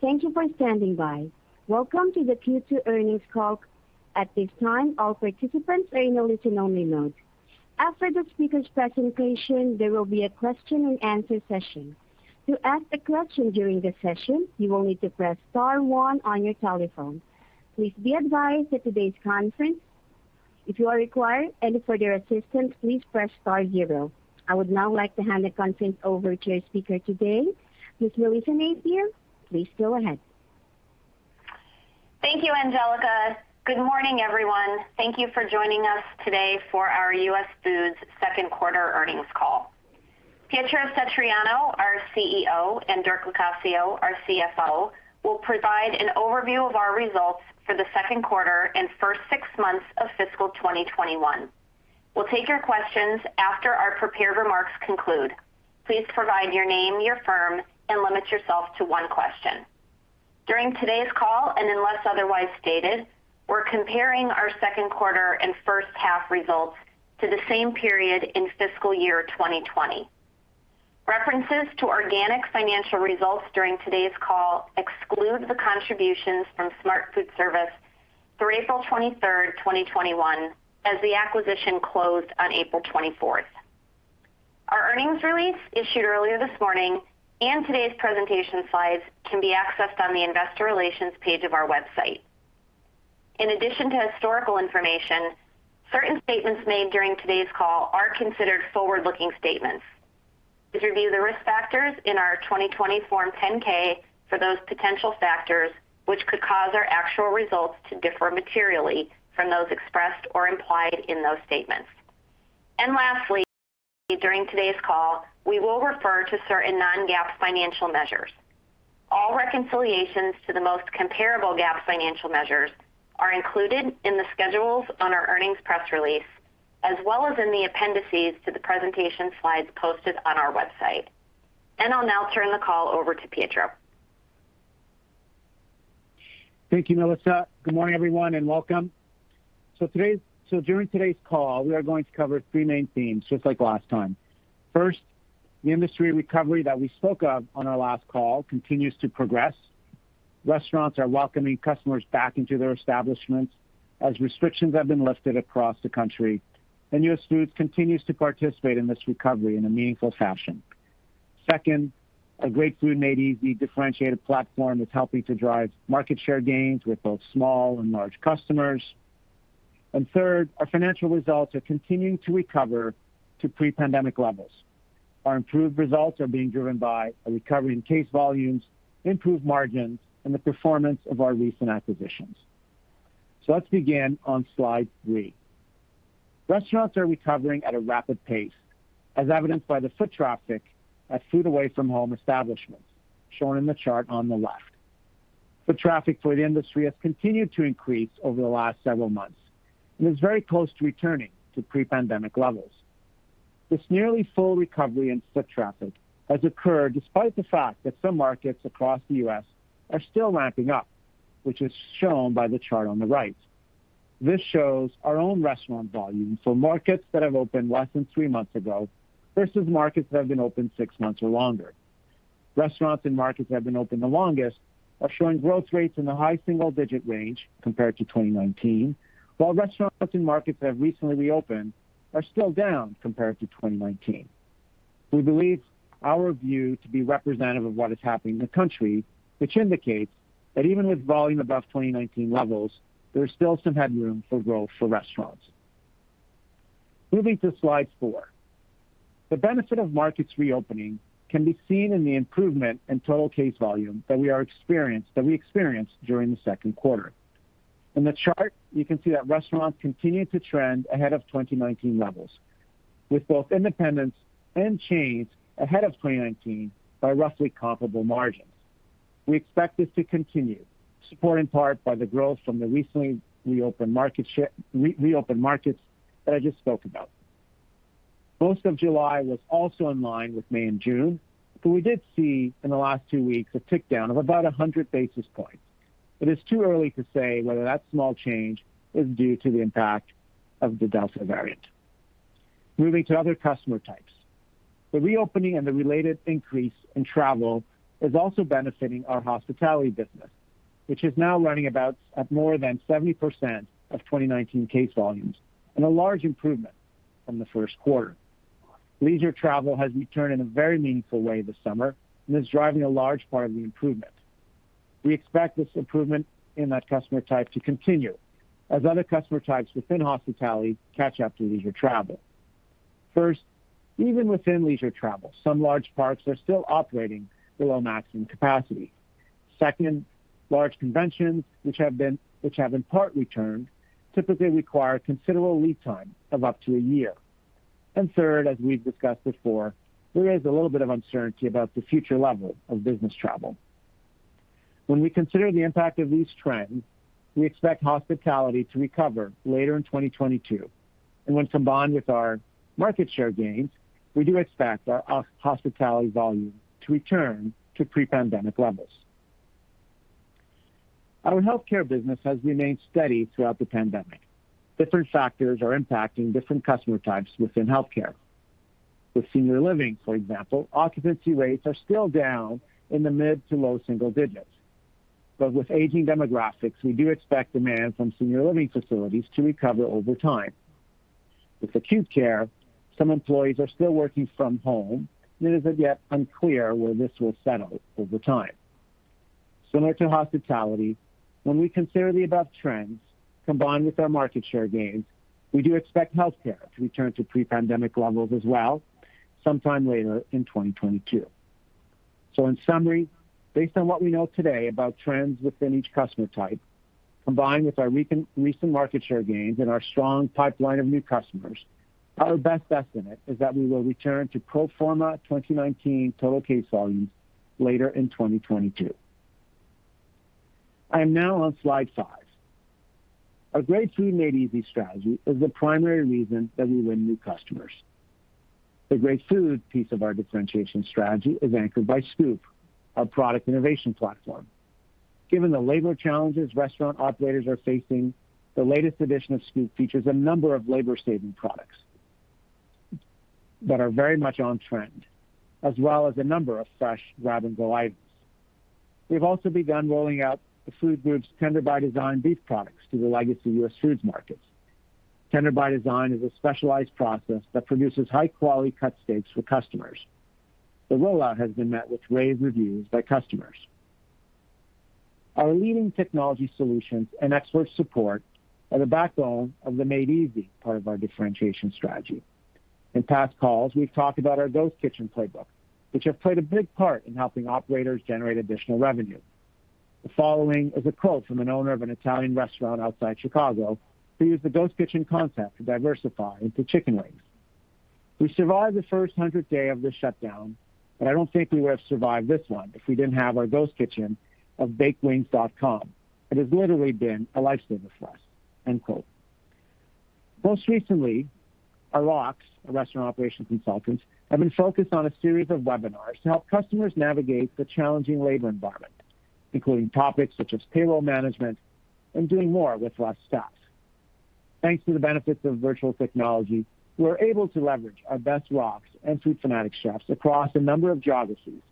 Thank you for standing by. Welcome to the Q2 earnings call. At this time, all participants are in a listen-only mode. After the speaker's presentation, there will be a question and answer session. To ask a question during the session, you will need to press star one on your telephone. Please be advised that today's conference is being recorded. If you require any further assistance, please press star zero. I would now like to hand the conference over to our speaker today, Ms. Melissa Napier. Please go ahead. Thank you, Angelica. Good morning, everyone. Thank you for joining us today for our US Foods second quarter earnings call. Pietro Satriano, our CEO, and Dirk Locascio, our CFO, will provide an overview of our results for the second quarter and first six months of fiscal 2021. We'll take your questions after our prepared remarks conclude. Please provide your name, your firm, and limit yourself to one question. During today's call, unless otherwise stated, we're comparing our second quarter and first half results to the same period in fiscal year 2020. References to organic financial results during today's call exclude the contributions from Smart Foodservice through April 23rd, 2021, as the acquisition closed on April 24th. Our earnings release issued earlier this morning and today's presentation slides can be accessed on the investor relations page of our website. In addition to historical information, certain statements made during today's call are considered forward-looking statements. Please review the risk factors in our 2020 Form 10-K for those potential factors, which could cause our actual results to differ materially from those expressed or implied in those statements. Lastly, during today's call, we will refer to certain non-GAAP financial measures. All reconciliations to the most comparable GAAP financial measures are included in the schedules on our earnings press release, as well as in the appendices to the presentation slides posted on our website. I'll now turn the call over to Pietro. Thank you, Melissa. Good morning, everyone, welcome. During today's call, we are going to cover three main themes, just like last time. First, the industry recovery that we spoke of on our last call continues to progress. Restaurants are welcoming customers back into their establishments as restrictions have been lifted across the country. US Foods continues to participate in this recovery in a meaningful fashion. Second, our Great Food. Made Easy. differentiated platform is helping to drive market share gains with both small and large customers. Third, our financial results are continuing to recover to pre-pandemic levels. Our improved results are being driven by a recovery in case volumes, improved margins, and the performance of our recent acquisitions. Let's begin on slide three. Restaurants are recovering at a rapid pace, as evidenced by the foot traffic at food-away-from-home establishments, shown in the chart on the left. Foot traffic for the industry has continued to increase over the last several months and is very close to returning to pre-pandemic levels. This nearly full recovery in foot traffic has occurred despite the fact that some markets across the U.S. are still ramping up, which is shown by the chart on the right. This shows our own restaurant volume for markets that have opened less than three months ago versus markets that have been open six months or longer. Restaurants in markets that have been open the longest are showing growth rates in the high single-digit range compared to 2019, while restaurants in markets that have recently reopened are still down compared to 2019. We believe our view to be representative of what is happening in the country, which indicates that even with volume above 2019 levels, there is still some headroom for growth for restaurants. Moving to slide four. The benefit of markets reopening can be seen in the improvement in total case volume that we experienced during the second quarter. In the chart, you can see that restaurants continued to trend ahead of 2019 levels, with both independents and chains ahead of 2019 by roughly comparable margins. We expect this to continue, supported in part by the growth from the recently reopened markets that I just spoke about. Most of July was also in line with May and June, but we did see in the last two weeks a tick down of about 100 basis points. It is too early to say whether that small change is due to the impact of the Delta variant. Moving to other customer types. The reopening and the related increase in travel is also benefiting our hospitality business, which is now running about at more than 70% of 2019 case volumes and a large improvement from the first quarter. Leisure travel has returned in a very meaningful way this summer and is driving a large part of the improvement. We expect this improvement in that customer type to continue as other customer types within hospitality catch up to leisure travel. First, even within leisure travel, some large parts are still operating below maximum capacity. Second, large conventions, which have in part returned, typically require considerable lead time of up to a year. Third, as we've discussed before, there is a little bit of uncertainty about the future level of business travel. When we consider the impact of these trends, we expect hospitality to recover later in 2022. When combined with our market share gains, we do expect our hospitality volume to return to pre-pandemic levels. Our healthcare business has remained steady throughout the pandemic. Different factors are impacting different customer types within healthcare. With senior living, for example, occupancy rates are still down in the mid to low single digits. With aging demographics, we do expect demand from senior living facilities to recover over time. With acute care, some employees are still working from home, and it is as yet unclear where this will settle over time. Similar to hospitality, when we consider the above trends, combined with our market share gains, we do expect healthcare to return to pre-pandemic levels as well, sometime later in 2022. In summary, based on what we know today about trends within each customer type, combined with our recent market share gains and our strong pipeline of new customers, our best estimate is that we will return to pro forma 2019 total case volumes later in 2022. I am now on slide five. Our Great Food. Made Easy. strategy is the primary reason that we win new customers. The Great Food. piece of our differentiation strategy is anchored by Scoop, our product innovation platform. Given the labor challenges restaurant operators are facing, the latest edition of Scoop features a number of labor-saving products that are very much on trend, as well as a number of fresh grab-and-go items. We've also begun rolling out the Food Group's Tender by Design beef products to the legacy US Foods markets. Tender by Design is a specialized process that produces high-quality cut steaks for customers. The rollout has been met with rave reviews by customers. Our leading technology solutions and expert support are the backbone of the Made Easy. part of our differentiation strategy. In past calls, we've talked about our Ghost Kitchen playbook, which have played a big part in helping operators generate additional revenue. The following is a quote from an owner of an Italian restaurant outside Chicago, who used the Ghost Kitchen concept to diversify into chicken wings. "We survived the first 100 day of this shutdown, but I don't think we would have survived this one if we didn't have our Ghost Kitchen of bakedwings.com. It has literally been a lifesaver for us." End quote. Most recently, our ROCs, our Restaurant Operations Consultants, have been focused on a series of webinars to help customers navigate the challenging labor environment, including topics such as payroll management and doing more with less staff. Thanks to the benefits of virtual technology, we're able to leverage our best ROCs and Food Fanatics chefs across a number of geographies,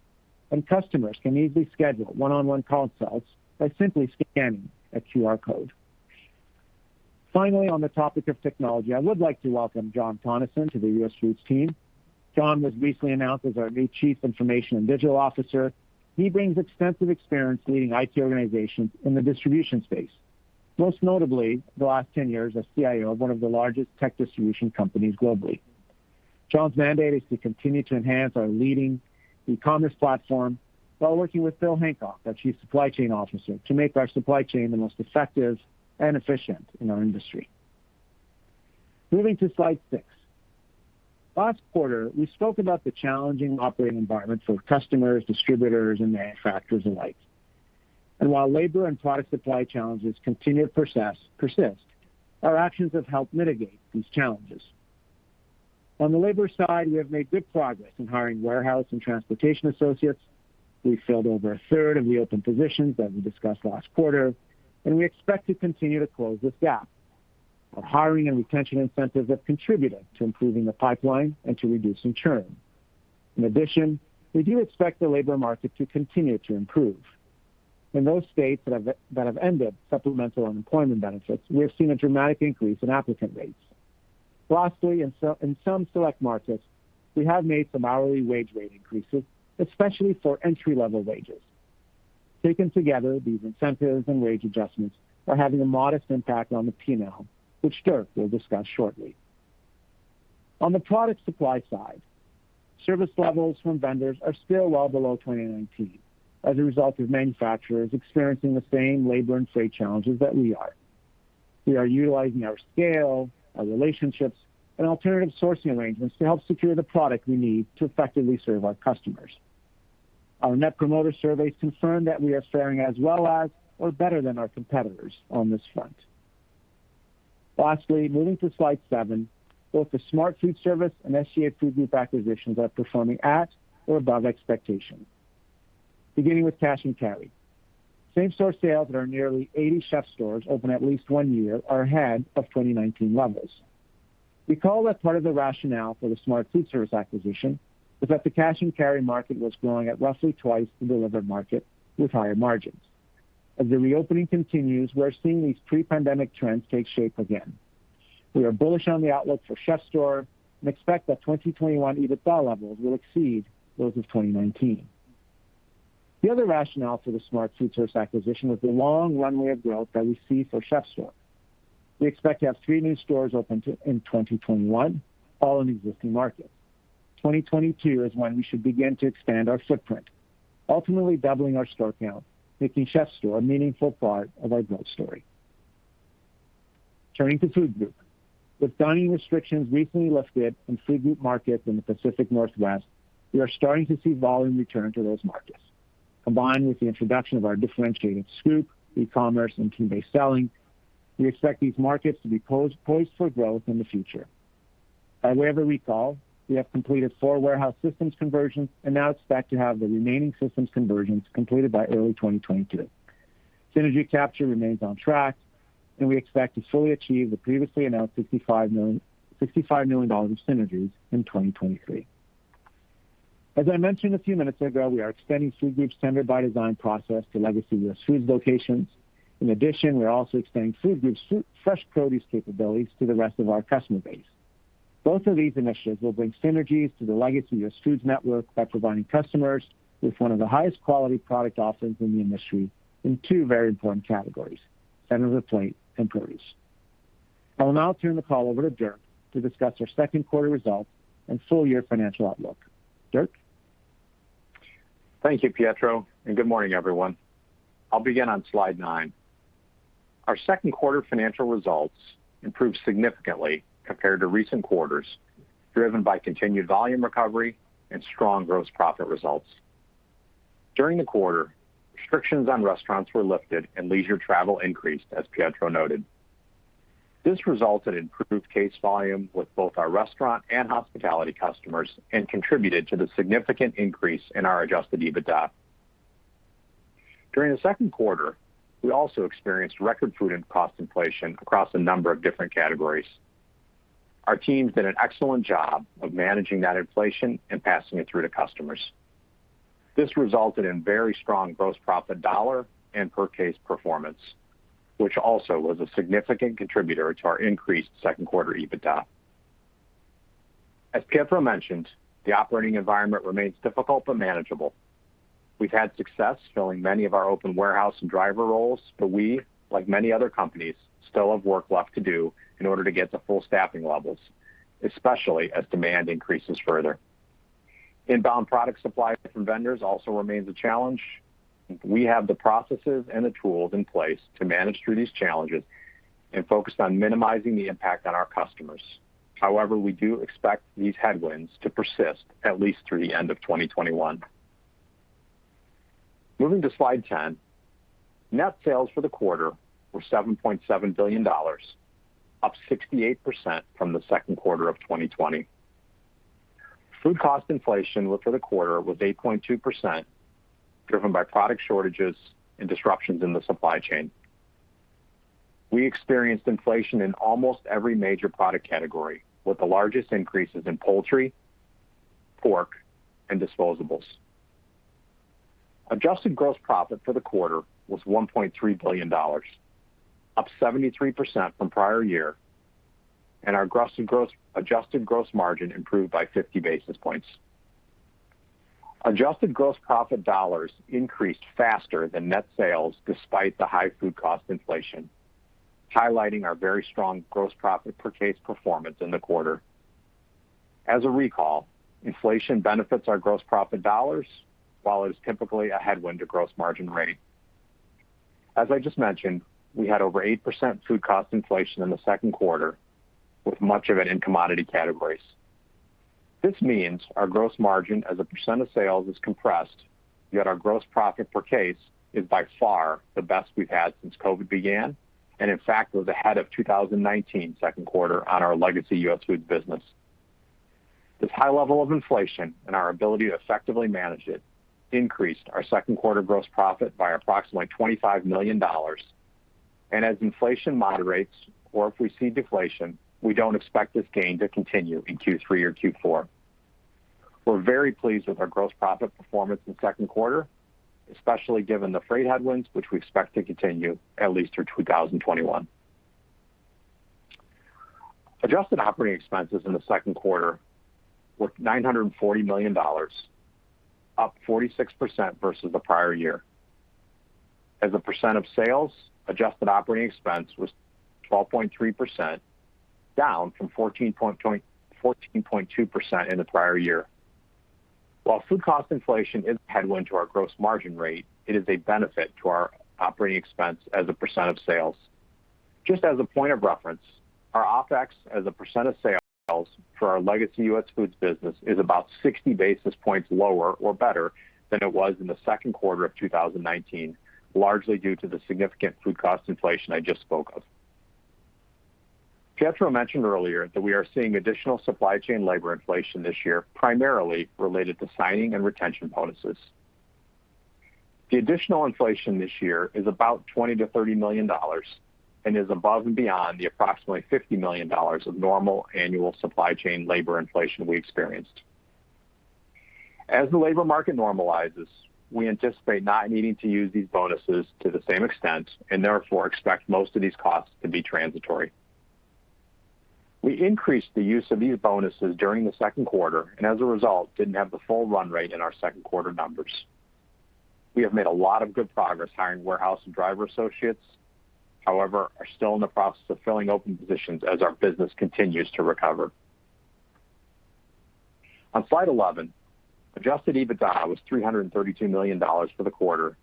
and customers can easily schedule one-on-one consults by simply scanning a QR code. Finally, on the topic of technology, I would like to welcome John Tonnison to the US Foods team. John was recently announced as our new Chief Information and Digital Officer. He brings extensive experience leading IT organizations in the distribution space, most notably the last 10 years as CIO of one of the largest tech distribution companies globally. John's mandate is to continue to enhance our leading e-commerce platform while working with Bill Hancock, our Chief Supply Chain Officer, to make our supply chain the most effective and efficient in our industry. Moving to slide six. Last quarter, we spoke about the challenging operating environment for customers, distributors, and manufacturers alike. While labor and product supply challenges continue to persist, our actions have helped mitigate these challenges. On the labor side, we have made good progress in hiring warehouse and transportation associates. We filled over a third of the open positions that we discussed last quarter, we expect to continue to close this gap. Our hiring and retention incentives have contributed to improving the pipeline and to reducing churn. In addition, we do expect the labor market to continue to improve. In those states that have ended supplemental unemployment benefits, we have seen a dramatic increase in applicant rates. Lastly, in some select markets, we have made some hourly wage rate increases, especially for entry-level wages. Taken together, these incentives and wage adjustments are having a modest impact on the P&L, which Dirk will discuss shortly. On the product supply side, service levels from vendors are still well below 2019 as a result of manufacturers experiencing the same labor and freight challenges that we are. We are utilizing our scale, our relationships, and alternative sourcing arrangements to help secure the product we need to effectively serve our customers. Our net promoter surveys confirm that we are fairing as well as or better than our competitors on this front. Lastly, moving to slide seven. Both the Smart Foodservice and SGA Food Group acquisitions are performing at or above expectation. Beginning with cash and carry. Same store sales at our nearly 80 CHEF'STOREs open at least one year are ahead of 2019 levels. Recall that part of the rationale for the Smart Foodservice acquisition was that the cash and carry market was growing at roughly twice the delivered market with higher margins. As the reopening continues, we're seeing these pre-pandemic trends take shape again. We are bullish on the outlook for CHEF'STORE and expect that 2021 EBITDA levels will exceed those of 2019. The other rationale for the Smart Foodservice acquisition was the long runway of growth that we see for CHEF'STORE. We expect to have three new stores open in 2021, all in existing markets. 2022 is when we should begin to expand our footprint, ultimately doubling our store count, making CHEF'STORE a meaningful part of our growth story. Turning to Food Group. With dining restrictions recently lifted in Food Group markets in the Pacific Northwest, we are starting to see volume return to those markets. Combined with the introduction of our differentiating Scoop, e-commerce, and team-based selling, we expect these markets to be poised for growth in the future. By way of a recall, we have completed four warehouse systems conversions and now expect to have the remaining systems conversions completed by early 2022. Synergy capture remains on track, and we expect to fully achieve the previously announced $65 million of synergies in 2023. As I mentioned a few minutes ago, we are extending Food Group's Tender by Design process to legacy US Foods locations. In addition, we're also expanding Food Group's fresh produce capabilities to the rest of our customer base. Both of these initiatives will bring synergies to the legacy US Foods network by providing customers with one of the highest quality product offerings in the industry in two very important categories, center of the plate and produce. I will now turn the call over to Dirk to discuss our second quarter results and full-year financial outlook. Dirk? Thank you, Pietro. Good morning, everyone. I'll begin on slide nine. Our second quarter financial results improved significantly compared to recent quarters, driven by continued volume recovery and strong gross profit results. During the quarter, restrictions on restaurants were lifted and leisure travel increased, as Pietro noted. This resulted in improved case volume with both our restaurant and hospitality customers and contributed to the significant increase in our adjusted EBITDA. During the second quarter, we also experienced record food and cost inflation across a number of different categories. Our team's done an excellent job of managing that inflation and passing it through to customers. This resulted in very strong gross profit dollar and per case performance, which also was a significant contributor to our increased second quarter EBITDA. As Pietro mentioned, the operating environment remains difficult, but manageable. We've had success filling many of our open warehouse and driver roles. We, like many other companies, still have work left to do in order to get to full staffing levels, especially as demand increases further. Inbound product supply from vendors also remains a challenge. We have the processes and the tools in place to manage through these challenges and focused on minimizing the impact on our customers. However, we do expect these headwinds to persist at least through the end of 2021. Moving to slide 10, net sales for the quarter were $7.7 billion, up 68% from the second quarter of 2020. Food cost inflation for the quarter was 8.2%, driven by product shortages and disruptions in the supply chain. We experienced inflation in almost every major product category, with the largest increases in poultry, pork, and disposables. Adjusted gross profit for the quarter was $1.3 billion, up 73% from prior year, and our adjusted gross margin improved by 50 basis points. Adjusted gross profit dollars increased faster than net sales despite the high food cost inflation, highlighting our very strong gross profit per case performance in the quarter. As a recall, inflation benefits our gross profit dollars, while it is typically a headwind to gross margin rate. As I just mentioned, we had over 8% food cost inflation in the second quarter, with much of it in commodity categories. This means our gross margin as a percent of sales is compressed, yet our gross profit per case is by far the best we've had since COVID began, and in fact, was ahead of 2019 second quarter on our legacy US Foods business. This high level of inflation and our ability to effectively manage it increased our second quarter gross profit by approximately $25 million. As inflation moderates, or if we see deflation, we don't expect this gain to continue in Q3 or Q4. We're very pleased with our gross profit performance in the second quarter, especially given the freight headwinds, which we expect to continue at least through 2021. Adjusted operating expenses in the second quarter were $940 million, up 46% versus the prior year. As a percent of sales, adjusted operating expense was 12.3%, down from 14.2% in the prior year. While food cost inflation is a headwind to our gross margin rate, it is a benefit to our operating expense as a percent of sales. Just as a point of reference, our OpEx as a percent of sales for our legacy US Foods business is about 60 basis points lower or better than it was in the second quarter of 2019, largely due to the significant food cost inflation I just spoke of. Pietro mentioned earlier that we are seeing additional supply chain labor inflation this year, primarily related to signing and retention bonuses. The additional inflation this year is about $20 million-$30 million and is above and beyond the approximately $50 million of normal annual supply chain labor inflation we experienced. As the labor market normalizes, we anticipate not needing to use these bonuses to the same extent, and therefore expect most of these costs to be transitory. We increased the use of these bonuses during the second quarter, and as a result, didn't have the full run rate in our second quarter numbers. We have made a lot of good progress hiring warehouse and driver associates, however, are still in the process of filling open positions as our business continues to recover. On slide 11, adjusted EBITDA was $332 million for the quarter,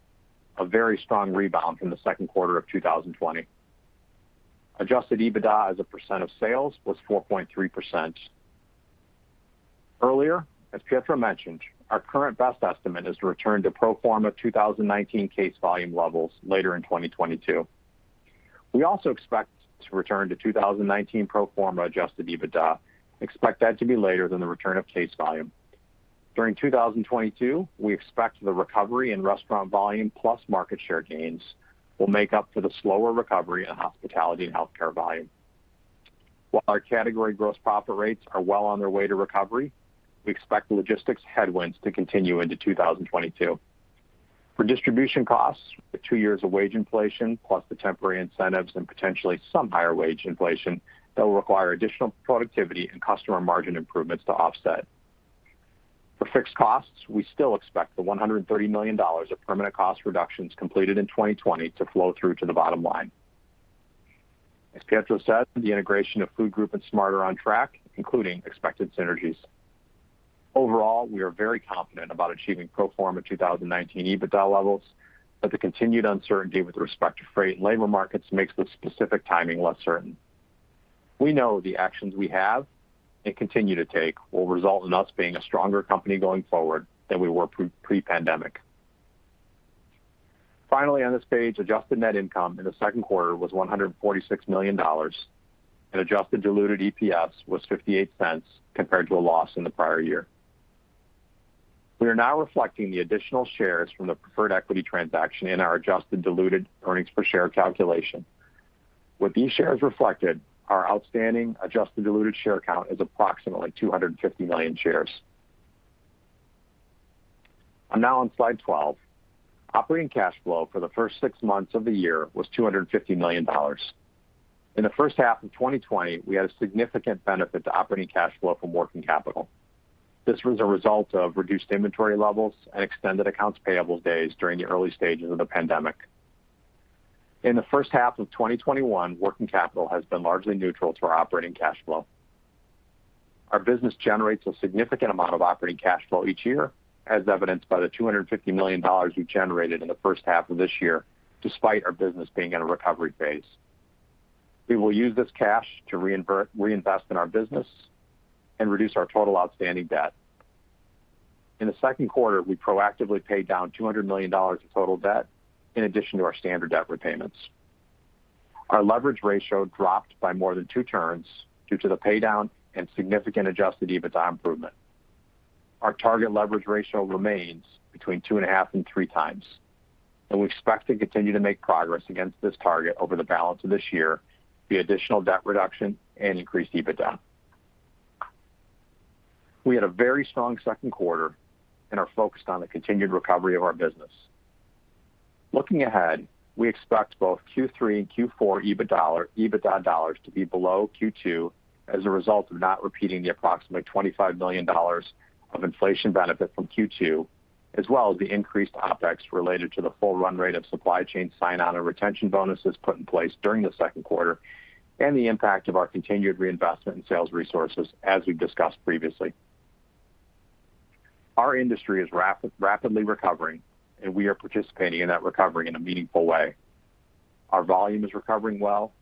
a very strong rebound from the second quarter of 2020. Adjusted EBITDA as a percent of sales was 4.3%. Earlier, as Pietro mentioned, our current best estimate is to return to pro forma 2019 case volume levels later in 2022. We also expect to return to 2019 pro forma adjusted EBITDA. Expect that to be later than the return of case volume. During 2022, we expect the recovery in restaurant volume plus market share gains will make up for the slower recovery in hospitality and healthcare volume. While our category gross profit rates are well on their way to recovery, we expect logistics headwinds to continue into 2022. For distribution costs, with two years of wage inflation plus the temporary incentives and potentially some higher wage inflation, that will require additional productivity and customer margin improvements to offset. For fixed costs, we still expect the $130 million of permanent cost reductions completed in 2020 to flow through to the bottom line. As Pietro said, the integration of Food Group and Smart Foodservice on track, including expected synergies. Overall, we are very confident about achieving pro forma 2019 EBITDA levels, but the continued uncertainty with respect to freight and labor markets makes the specific timing less certain. We know the actions we have and continue to take will result in us being a stronger company going forward than we were pre-pandemic. Finally, on this page, adjusted net income in the second quarter was $146 million, and adjusted diluted EPS was $0.58 compared to a loss in the prior year. We are now reflecting the additional shares from the preferred equity transaction in our adjusted diluted earnings per share calculation. With these shares reflected, our outstanding adjusted diluted share count is approximately 250 million shares. I'm now on slide 12. Operating cash flow for the first six months of the year was $250 million. In the first half of 2020, we had a significant benefit to operating cash flow from working capital. This was a result of reduced inventory levels and extended accounts payable days during the early stages of the pandemic. In the first half of 2021, working capital has been largely neutral to our operating cash flow. Our business generates a significant amount of operating cash flow each year, as evidenced by the $250 million we generated in the first half of this year, despite our business being in a recovery phase. We will use this cash to reinvest in our business and reduce our total outstanding debt. In the second quarter, we proactively paid down $200 million of total debt in addition to our standard debt repayments. Our leverage ratio dropped by more than two turns due to the paydown and significant adjusted EBITDA improvement. Our target leverage ratio remains between 2.5x and 3x, and we expect to continue to make progress against this target over the balance of this year via additional debt reduction and increased EBITDA. We had a very strong second quarter and are focused on the continued recovery of our business. Looking ahead, we expect both Q3 and Q4 EBITDA dollars to be below Q2 as a result of not repeating the approximately $25 million of inflation benefit from Q2, as well as the increased OpEx related to the full run rate of supply chain sign-on and retention bonuses put in place during the second quarter and the impact of our continued reinvestment in sales resources, as we've discussed previously. Our industry is rapidly recovering, and we are participating in that recovery in a meaningful way. Our volume is recovering well,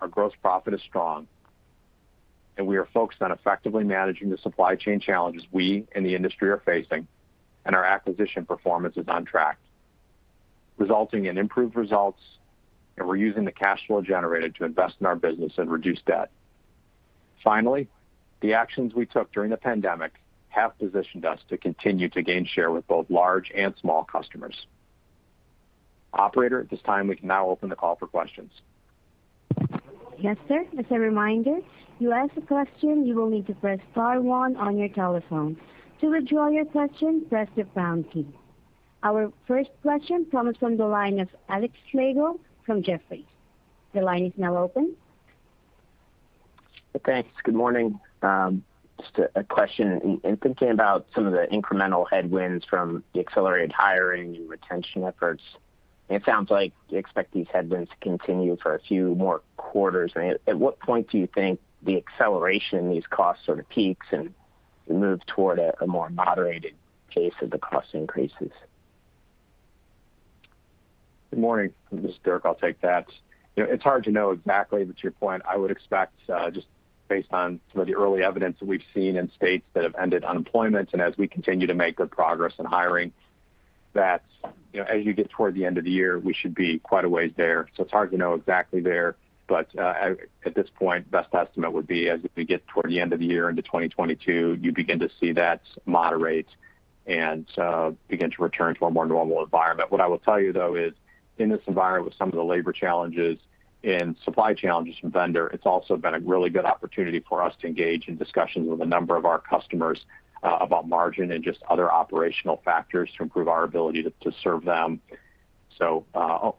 our gross profit is strong, and we are focused on effectively managing the supply chain challenges we and the industry are facing, and our acquisition performance is on track, resulting in improved results, and we're using the cash flow generated to invest in our business and reduce debt. Finally, the actions we took during the pandemic have positioned us to continue to gain share with both large and small customers. Operator, at this time, we can now open the call for questions. Yes, sir. As a reminder, to ask a question, you will need to press star one on your telephone. To withdraw your question, press the pound key. Our first question comes from the line of Alex Slagle from Jefferies. Your line is now open. Thanks. Good morning. Just a question. In thinking about some of the incremental headwinds from the accelerated hiring and retention efforts, it sounds like you expect these headwinds to continue for a few more quarters. At what point do you think the acceleration in these costs sort of peaks and move toward a more moderated pace of the cost increases? Good morning. This is Dirk. I'll take that. It's hard to know exactly, but to your point, I would expect, just based on some of the early evidence that we've seen in states that have ended unemployment and as we continue to make good progress in hiring, that as you get toward the end of the year, we should be quite a ways there. It's hard to know exactly there. At this point, best estimate would be as we get toward the end of the year into 2022, you begin to see that moderate and begin to return to a more normal environment. What I will tell you, though, is in this environment with some of the labor challenges and supply challenges from vendor, it's also been a really good opportunity for us to engage in discussions with a number of our customers about margin and just other operational factors to improve our ability to serve them.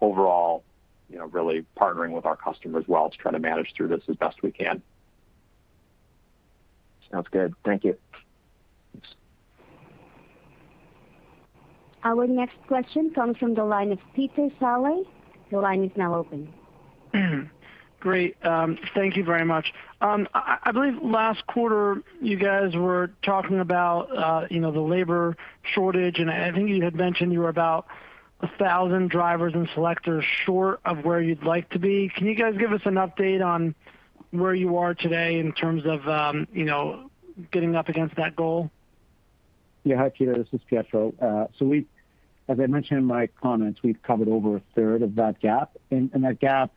Overall, really partnering with our customers well to try to manage through this as best we can. Sounds good. Thank you. Thanks. Our next question comes from the line of Peter Saleh. The line is now open. Great. Thank you very much. I believe last quarter you guys were talking about the labor shortage, and I think you had mentioned you were about 1,000 drivers and selectors short of where you'd like to be. Can you guys give us an update on where you are today in terms of getting up against that goal? Hi, Peter. This is Pietro. As I mentioned in my comments, we've covered over a third of that gap. That gap,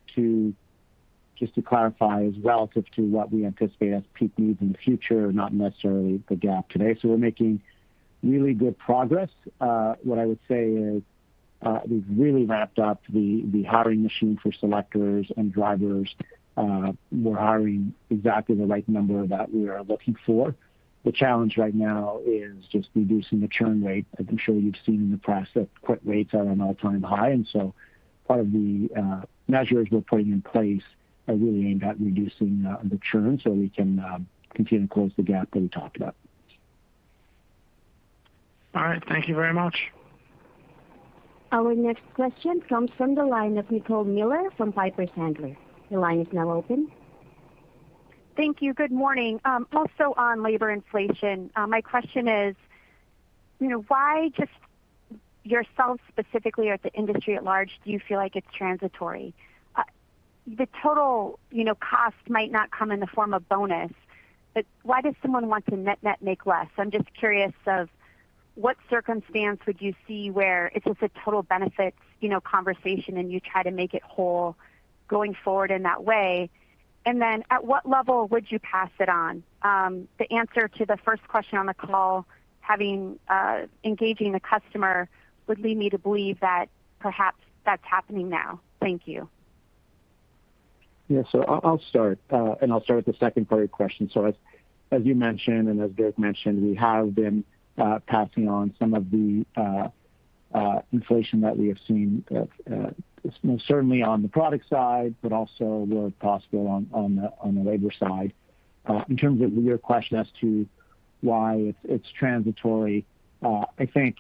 just to clarify, is relative to what we anticipate as peak needs in the future, not necessarily the gap today. We're making really good progress. What I would say is we've really ramped up the hiring machine for selectors and drivers. We're hiring exactly the right number that we are looking for. The challenge right now is just reducing the churn rate. As I'm sure you've seen in the press, that quit rates are at an all-time high. Part of the measures we're putting in place are really aimed at reducing the churn so we can continue to close the gap that we talked about. All right. Thank you very much. Our next question comes from the line of Nicole Miller from Piper Sandler. Your line is now open. Thank you. Good morning. On labor inflation, my question is why, just yourselves specifically or the industry at large, do you feel like it's transitory? The total cost might not come in the form of bonus. Why does someone want to net-net make less? I'm just curious of what circumstance would you see where it's just a total benefits conversation and you try to make it whole going forward in that way. At what level would you pass it on? The answer to the first question on the call, engaging the customer would lead me to believe that perhaps that's happening now. Thank you. Yeah. I'll start. I'll start with the second part of your question. As you mentioned, and as Dirk mentioned, we have been passing on some of the inflation that we have seen, certainly on the product side, but also where possible on the labor side. In terms of your question as to why it's transitory, I think,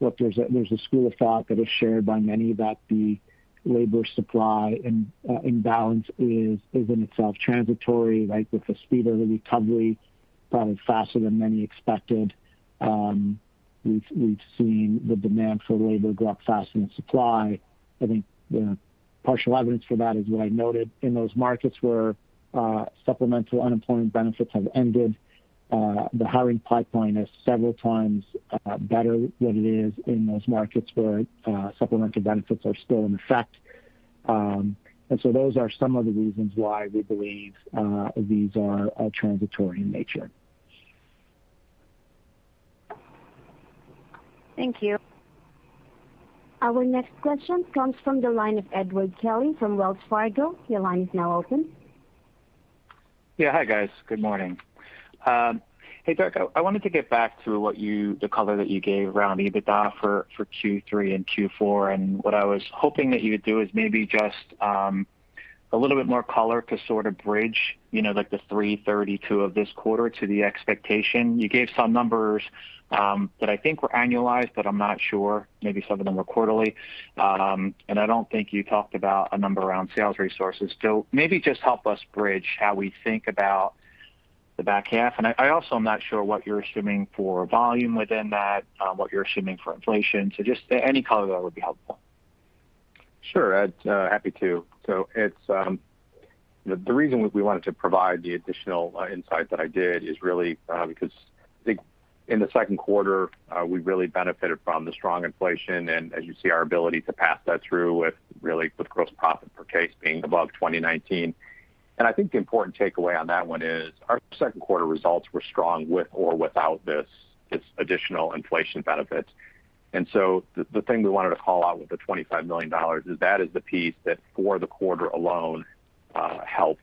look, there's a school of thought that is shared by many that the labor supply imbalance is in itself transitory, with the speed of the recovery probably faster than many expected. We've seen the demand for labor go up faster than supply. I think the partial evidence for that is what I noted in those markets where supplemental unemployment benefits have ended. The hiring pipeline is several times better than it is in those markets where supplemental benefits are still in effect. Those are some of the reasons why we believe these are transitory in nature. Thank you. Our next question comes from the line of Edward Kelly from Wells Fargo. Your line is now open. Yeah. Hi, guys. Good morning. Hey, Dirk. I wanted to get back to the color that you gave around EBITDA for Q3 and Q4. What I was hoping that you would do is maybe just a little bit more color to sort of bridge the $332 million of this quarter to the expectation. You gave some numbers that I think were annualized, I'm not sure. Maybe some of them were quarterly. I don't think you talked about a number around sales resources. Maybe just help us bridge how we think about the back half. I also am not sure what you're assuming for volume within that, what you're assuming for inflation. Just any color there would be helpful. Sure, Ed. Happy to. The reason we wanted to provide the additional insight that I did is really because I think in the second quarter, we really benefited from the strong inflation. As you see, our ability to pass that through with gross profit per case being above 2019. I think the important takeaway on that one is our second quarter results were strong with or without this additional inflation benefit. The thing we wanted to call out with the $25 million is that is the piece that for the quarter alone helped,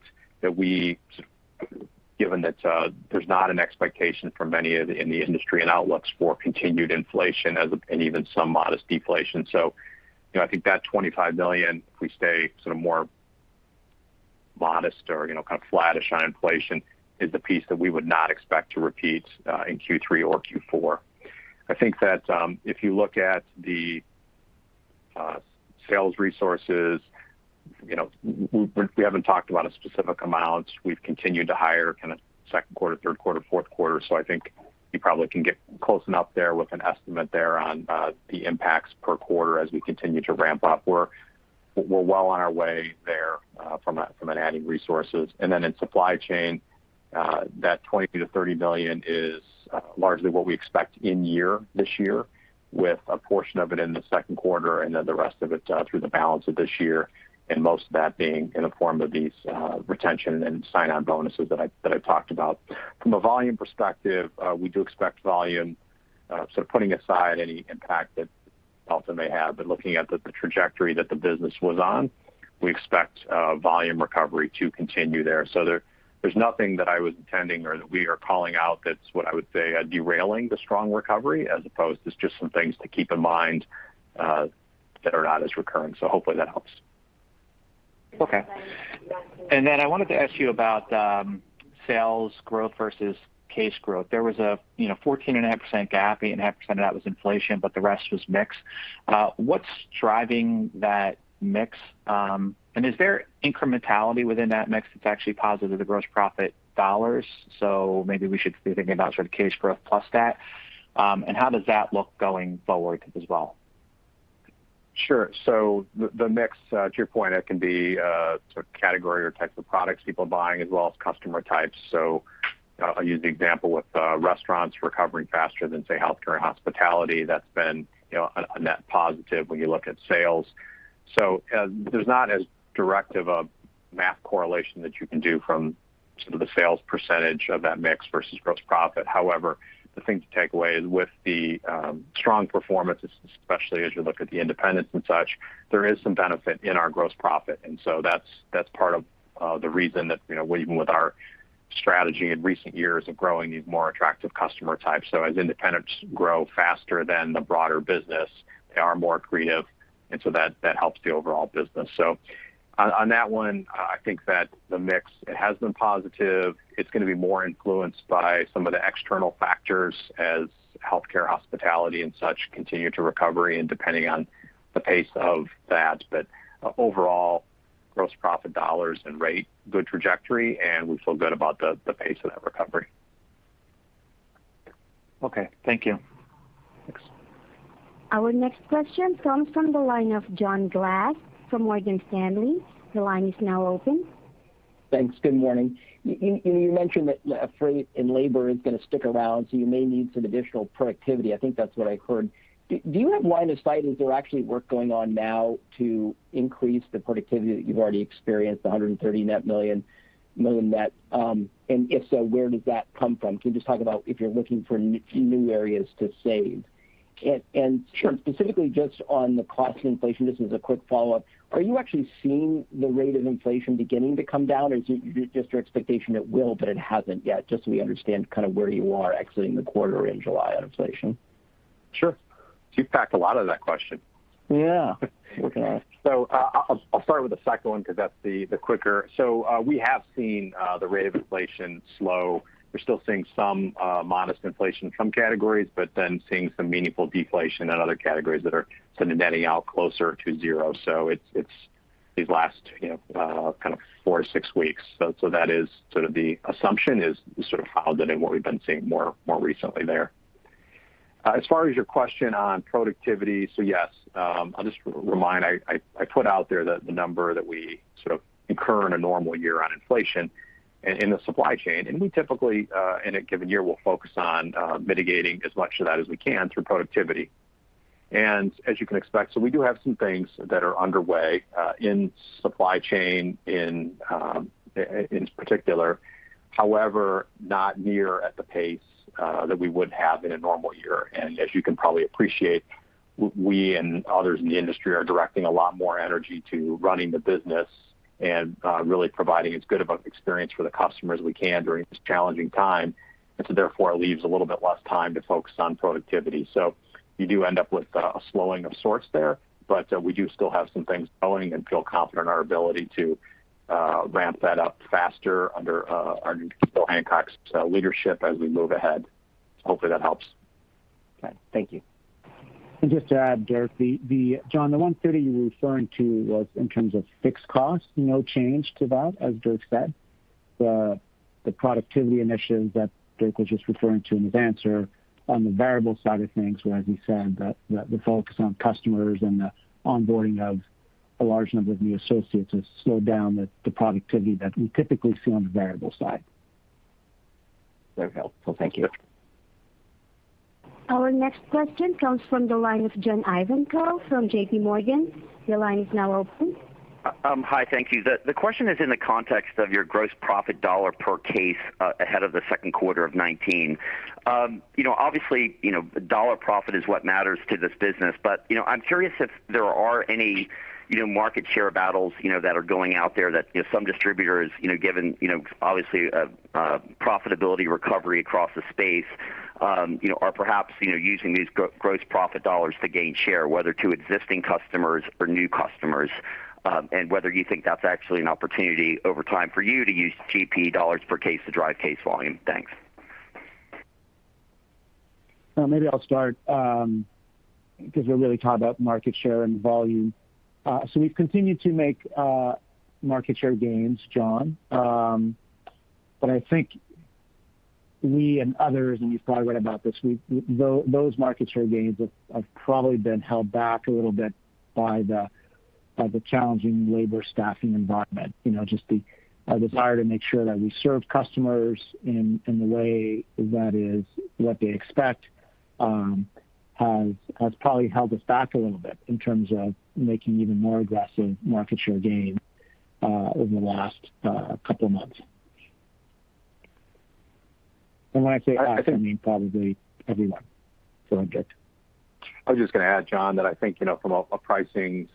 given that there's not an expectation from many in the industry and outlooks for continued inflation and even some modest deflation. I think that $25 million, if we stay sort of more modest or kind of flattish on inflation, is the piece that we would not expect to repeat in Q3 or Q4. I think that if you look at the sales resources, we haven't talked about specific amounts. We've continued to hire kind of second quarter, third quarter, fourth quarter. I think you probably can get close enough there with an estimate there on the impacts per quarter as we continue to ramp up. We're well on our way there from an adding resources. In supply chain, that $20 million-$30 million is largely what we expect in year this year, with a portion of it in the second quarter and the rest of it through the balance of this year, and most of that being in the form of these retention and sign-on bonuses that I've talked about. From a volume perspective, we do expect volume, sort of putting aside any impact that Delta may have, but looking at the trajectory that the business was on, we expect volume recovery to continue there. There's nothing that I was intending or that we are calling out that's what I would say derailing the strong recovery as opposed to just some things to keep in mind that are not as recurring. Hopefully that helps. Okay. I wanted to ask you about sales growth versus case growth. There was a 14.5% gap, 8.5% of that was inflation, but the rest was mix. What's driving that mix? Is there incrementality within that mix that's actually positive to gross profit dollars? Maybe we should be thinking about sort of case growth plus that. How does that look going forward as well? Sure. The mix, to your point, it can be category or types of products people are buying as well as customer types. I'll use the example with restaurants recovering faster than, say, healthcare and hospitality. That's been a net positive when you look at sales. There's not as directive a math correlation that you can do from sort of the sales percentage of that mix versus gross profit. However, the thing to take away is with the strong performance, especially as you look at the independents and such, there is some benefit in our gross profit. That's part of the reason that even with our strategy in recent years of growing these more attractive customer types. As independents grow faster than the broader business, they are more accretive, and so that helps the overall business. On that one, I think that the mix has been positive. It's going to be more influenced by some of the external factors as healthcare, hospitality, and such continue to recovery and depending on the pace of that. Overall, gross profit dollars and rate, good trajectory, and we feel good about the pace of that recovery. Okay. Thank you. Thanks. Our next question comes from the line of John Glass from Morgan Stanley. The line is now open. Thanks. Good morning. You mentioned that freight and labor is going to stick around. You may need some additional productivity. I think that's what I heard. Do you have line of sight? Is there actually work going on now to increase the productivity that you've already experienced, the $130 million net? If so, where does that come from? Can you just talk about if you're looking for new areas to save? Sure. Specifically just on the cost inflation, this is a quick follow-up. Are you actually seeing the rate of inflation beginning to come down, or is it just your expectation it will, but it hasn't yet? Just so we understand kind of where you are exiting the quarter in July on inflation. Sure. You've packed a lot into that question. Yeah. Looking at it. I'll start with the second one because that's the quicker. We have seen the rate of inflation slow. We're still seeing some modest inflation in some categories, but then seeing some meaningful deflation in other categories that are sort of netting out closer to zero. It's these last kind of four to six weeks. That is sort of the assumption is sort of how the net and what we've been seeing more recently there. As far as your question on productivity, yes. I'll just remind, I put out there that the number that we sort of incur in a normal year on inflation and in the supply chain, and we typically, in a given year, will focus on mitigating as much of that as we can through productivity. As you can expect, we do have some things that are underway in supply chain in particular. However, not near at the pace that we would have in a normal year. As you can probably appreciate, we and others in the industry are directing a lot more energy to running the business and really providing as good of an experience for the customer as we can during this challenging time. Therefore, it leaves a little bit less time to focus on productivity. You do end up with a slowing of sorts there, but we do still have some things going and feel confident in our ability to ramp that up faster under Bill Hancock's leadership, as we move ahead. Hopefully, that helps. Okay. Thank you. Just to add, Dirk, John, the $130 million you were referring to was in terms of fixed costs. No change to that, as Dirk said. The productivity initiatives that Dirk was just referring to in his answer on the variable side of things were, as he said, the focus on customers and the onboarding of a large number of new associates has slowed down the productivity that we typically see on the variable side. Very helpful. Thank you. Our next question comes from the line of John Ivankoe from JPMorgan. Your line is now open. Hi. Thank you. The question is in the context of your gross profit dollar per case ahead of the second quarter of 2019. Obviously, dollar profit is what matters to this business. I'm curious if there are any market share battles that are going out there that some distributors, given obviously profitability recovery across the space, are perhaps using these gross profit dollars to gain share, whether to existing customers or new customers. Whether you think that's actually an opportunity over time for you to use GP dollars per case to drive case volume. Thanks. Maybe I'll start because we really talked about market share and volume. We've continued to make market share gains, John. I think we and others, and you've probably read about this, those market share gains have probably been held back a little bit by the challenging labor staffing environment. Just the desire to make sure that we serve customers in the way that is what they expect has probably held us back a little bit in terms of making even more aggressive market share gains over the last couple of months. When I say us, I mean probably everyone. Go ahead, Dirk. I was just going to add, John, that I think from a pricing.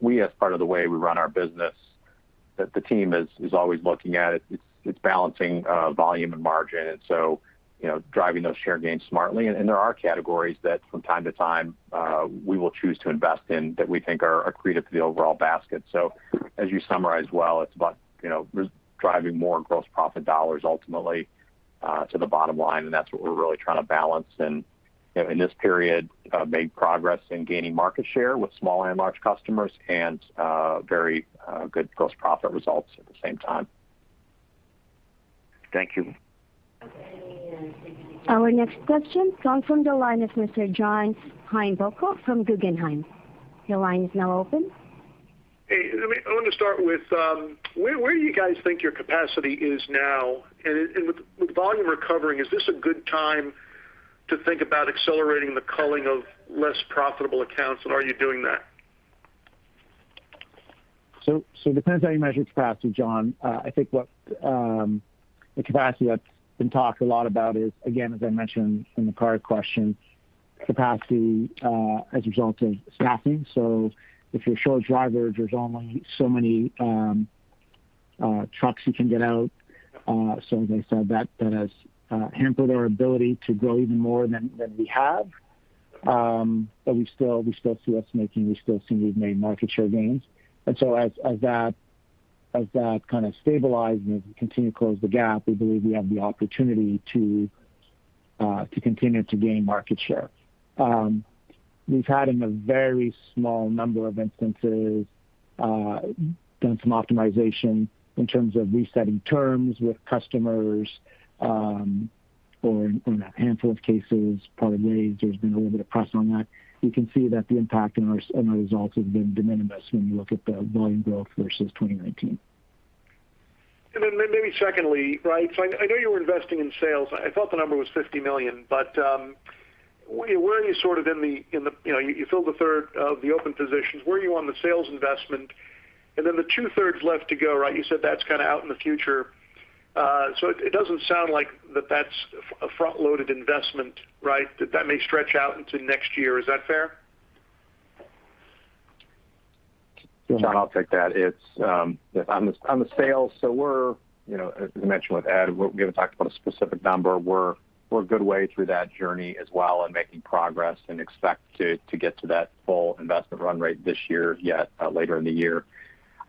We, as part of the way we run our business, that the team is always looking at it. It's balancing volume and margin, driving those share gains smartly. There are categories that from time to time, we will choose to invest in that we think are accretive to the overall basket. As you summarized well, it's about driving more gross profit dollars ultimately to the bottom line, and that's what we're really trying to balance. In this period, made progress in gaining market share with small and large customers and very good gross profit results at the same time. Thank you. Our next question comes from the line of Mr. John Heinbockel from Guggenheim. Your line is now open. Hey, I want to start with, where do you guys think your capacity is now? With volume recovering, is this a good time to think about accelerating the culling of less profitable accounts, and are you doing that? It depends how you measure capacity, John. I think what the capacity that's been talked a lot about is, again, as I mentioned in the prior question, capacity as a result of staffing. If you're short drivers, there's only so many trucks you can get out. As I said, that has hampered our ability to grow even more than we have. We still see we've made market share gains. As that kind of stabilizes and we continue to close the gap, we believe we have the opportunity to continue to gain market share. We've had in a very small number of instances done some optimization in terms of resetting terms with customers. In a handful of cases, parted ways, there's been a little bit of press on that. You can see that the impact and our results have been de minimis when you look at the volume growth versus 2019. Then maybe secondly, right? I know you were investing in sales. I thought the number was $50 million, but where are you sort of. You filled a third of the open positions. Where are you on the sales investment? Then the two-thirds left to go, right, you said that's kind of out in the future. It doesn't sound like that's a front-loaded investment, right? That may stretch out into next year. Is that fair? John, I'll take that. On the sales, as I mentioned with Ed, we haven't talked about a specific number. We're a good way through that journey as well and making progress, expect to get to that full investment run rate this year, yet later in the year.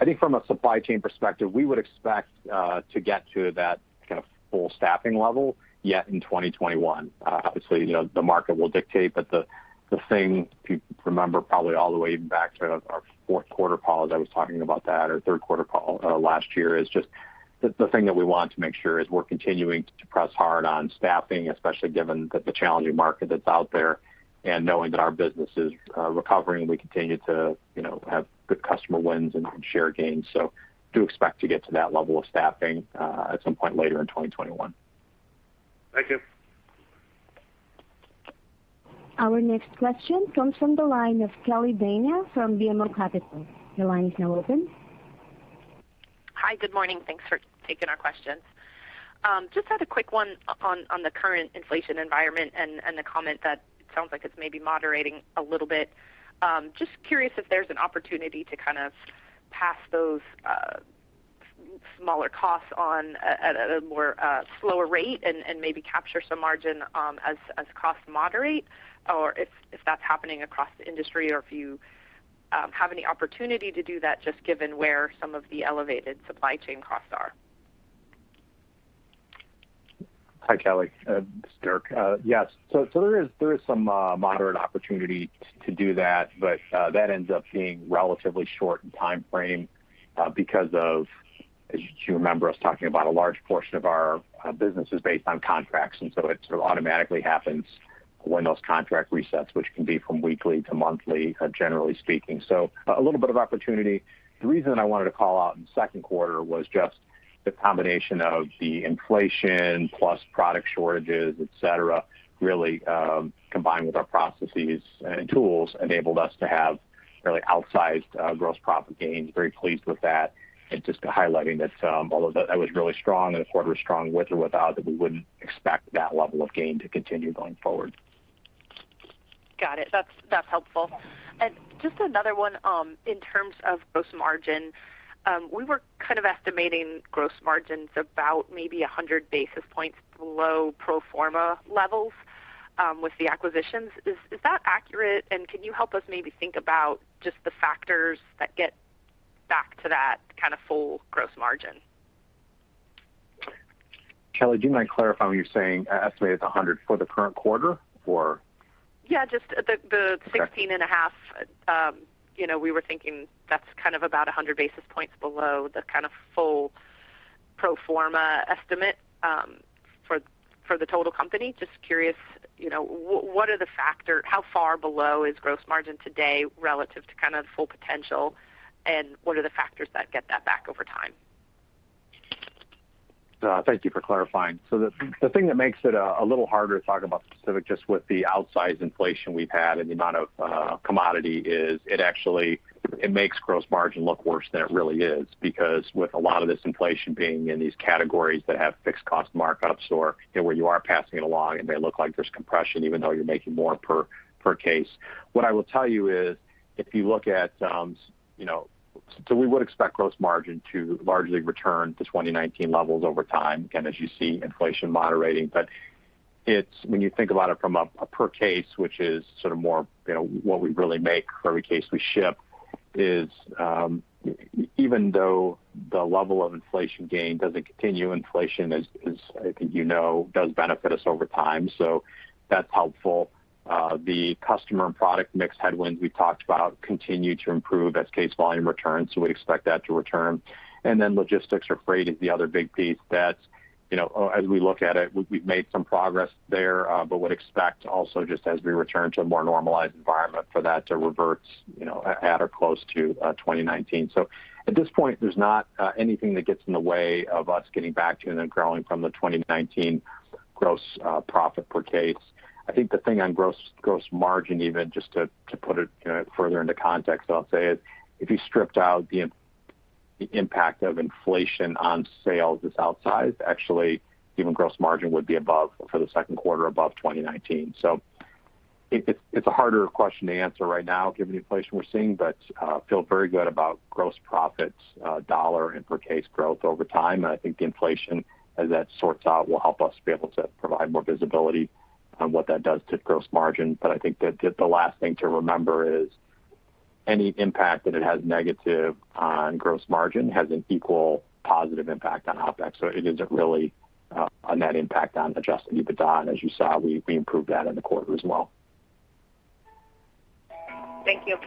I think from a supply chain perspective, we would expect to get to that kind of full staffing level, yet in 2021. Obviously, the market will dictate, the thing, if you remember probably all the way back to our fourth quarter call as I was talking about that or third quarter call last year, is just the thing that we want to make sure is we're continuing to press hard on staffing, especially given the challenging market that's out there and knowing that our business is recovering. We continue to have good customer wins and share gains. Do expect to get to that level of staffing at some point later in 2021. Thank you. Our next question comes from the line of Kelly Bania from BMO Capital. Your line is now open. Hi. Good morning. Thanks for taking our questions. Just had a quick one on the current inflation environment and the comment that it sounds like it's maybe moderating a little bit. Just curious if there's an opportunity to kind of pass those smaller costs on at a more slower rate and maybe capture some margin as costs moderate, or if that's happening across the industry or if you have any opportunity to do that just given where some of the elevated supply chain costs are. Hi, Kelly. This is Dirk. Yes. There is some moderate opportunity to do that. That ends up being relatively short in timeframe because of, as you remember us talking about a large portion of our business is based on contracts, and so it sort of automatically happens when those contract resets, which can be from weekly to monthly, generally speaking. A little bit of opportunity. The reason I wanted to call out in the second quarter was just the combination of the inflation plus product shortages, et cetera, really combined with our processes and tools, enabled us to have really outsized gross profit gains. Very pleased with that. Just highlighting that although that was really strong and the quarter was strong with or without it, we wouldn't expect that level of gain to continue going forward. Got it. That's helpful. Just another one in terms of gross margin. We were kind of estimating gross margins about maybe 100 basis points below pro forma levels with the acquisitions. Is that accurate? Can you help us maybe think about just the factors that get back to that kind of full gross margin? Kelly, do you mind clarifying when you're saying estimated 100 basis points for the current quarter or? Yeah, just- Okay.... the 16.5%. We were thinking that's kind of about 100 basis points below the kind of full pro forma estimate for the total company. Just curious, how far below is gross margin today relative to kind of full potential, and what are the factors that get that back over time? Thank you for clarifying. The thing that makes it a little harder to talk about specific, just with the outsized inflation we've had and the amount of commodity is it actually makes gross margin look worse than it really is because with a lot of this inflation being in these categories that have fixed cost markups or where you are passing it along and they look like there's compression even though you're making more per case. What I will tell you is. We would expect gross margin to largely return to 2019 levels over time, again, as you see inflation moderating. When you think about it from a per case, which is sort of more what we really make for every case we ship, is even though the level of inflation gain doesn't continue, inflation, as I think you know, does benefit us over time. That's helpful. The customer and product mix headwinds we talked about continue to improve as case volume returns. We expect that to return. Logistics or freight is the other big piece that, as we look at it, we've made some progress there. Would expect also just as we return to a more normalized environment for that to revert at or close to 2019. At this point, there's not anything that gets in the way of us getting back to and then growing from the 2019 gross profit per case. I think the thing on gross margin, even just to put it further into context, I'll say it, if you stripped out the impact of inflation on sales is outsized, actually even gross margin would be above for the second quarter above 2019. It's a harder question to answer right now given the inflation we're seeing. Feel very good about gross profits dollar and per case growth over time. I think the inflation as that sorts out will help us be able to provide more visibility on what that does to gross margin. I think the last thing to remember is any impact that it has negative on gross margin has an equal positive impact on OpEx. It isn't really a net impact on adjusted EBITDA. As you saw, we improved that in the quarter as well. Thank you.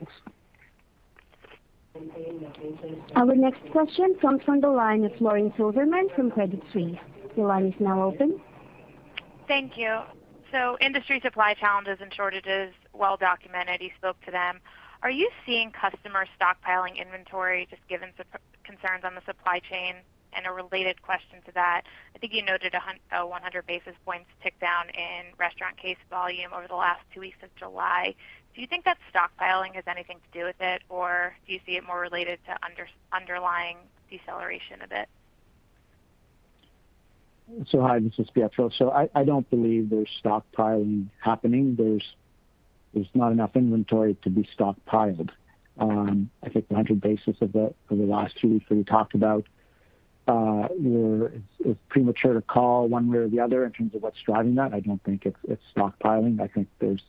Thanks. Our next question comes from the line of Lauren Silberman from Credit Suisse. Your line is now open. Thank you. Industry supply challenges and shortages, well documented, you spoke to them. Are you seeing customer stockpiling inventory, just given concerns on the supply chain? A related question to that, I think you noted a 100 basis points tick down in restaurant case volume over the last two weeks of July. Do you think that stockpiling has anything to do with it or do you see it more related to underlying deceleration of it? Hi, this is Pietro. I don't believe there's stockpiling happening. There's not enough inventory to be stockpiled. I think the 100 basis points of the last two weeks that we talked about, it's premature to call one way or the other in terms of what's driving that. I don't think it's stockpiling. I think there's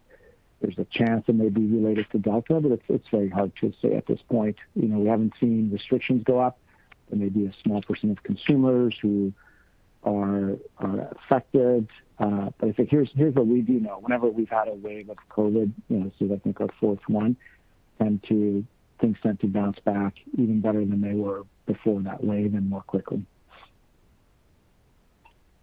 a chance it may be related to Delta, it's very hard to say at this point. We haven't seen restrictions go up. There may be a small portion of consumers who are affected. I think here's what we do know. Whenever we've had a wave of COVID, this is I think our fourth one, things tend to bounce back even better than they were before in that wave and more quickly.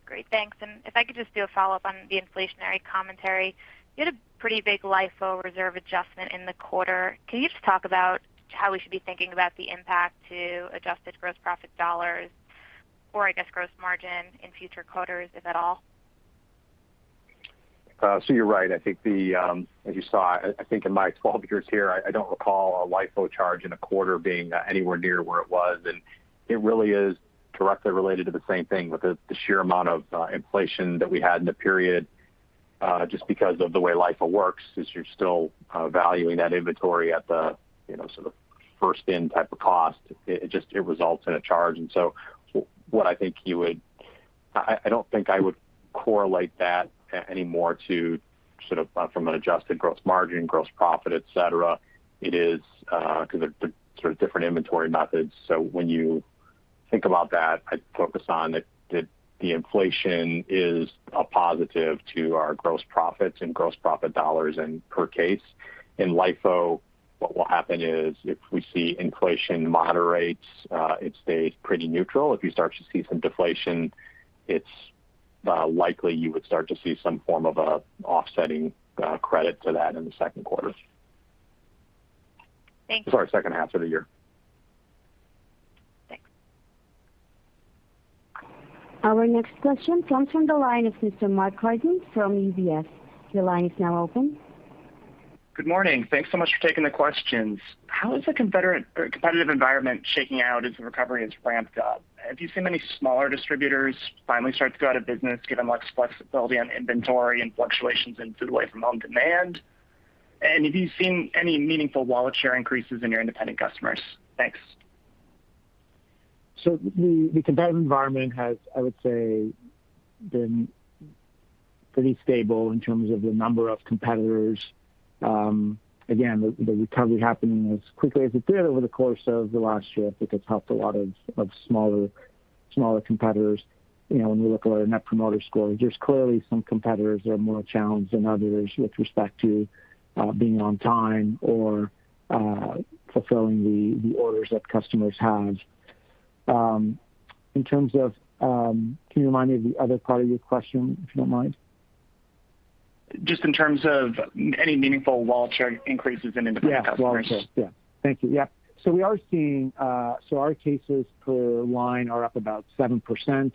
Great, thanks. If I could just do a follow-up on the inflationary commentary. You had a pretty big LIFO reserve adjustment in the quarter. Can you just talk about how we should be thinking about the impact to adjusted gross profit dollars or I guess gross margin in future quarters, if at all? You're right. As you saw, I think in my 12 years here, I don't recall a LIFO charge in a quarter being anywhere near where it was. It really is directly related to the same thing with the sheer amount of inflation that we had in the period. Just because of the way LIFO works, since you're still valuing that inventory at the first-in type of cost, it results in a charge. I don't think I would correlate that anymore to from an adjusted gross margin, gross profit, et cetera. They're different inventory methods. When you think about that, I'd focus on that the inflation is a positive to our gross profits and gross profit dollars and per case. In LIFO, what will happen is if we see inflation moderates, it stays pretty neutral. If you start to see some deflation, it's likely you would start to see some form of an offsetting credit to that in the second quarter. Thanks. Sorry, second half of the year. Thanks. Our next question comes from the line of Mr. Mark Carden from UBS. Your line is now open. Good morning. Thanks so much for taking the questions. How is the competitive environment shaking out as the recovery has ramped up? Have you seen many smaller distributors finally start to go out of business given much flexibility on inventory and fluctuations in food-away-from-home demand? Have you seen any meaningful wallet share increases in your independent customers? Thanks. The competitive environment has, I would say, been pretty stable in terms of the number of competitors. The recovery happening as quickly as it did over the course of the last year, I think has helped a lot of smaller competitors. When we look at our Net Promoter Score, there's clearly some competitors that are more challenged than others with respect to being on time or fulfilling the orders that customers have. Can you remind me of the other part of your question, if you don't mind? Just in terms of any meaningful wallet share increases in independent customers. Yeah. Wallet share. Yeah. Thank you. Yeah. Our cases per line are up about 7%